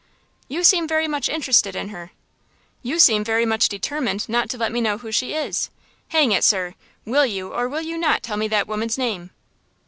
"You seem very much interested in her." "You seem very much determined not to let me know who she is! Hang it, sir, will you or will you not tell me that woman's name?"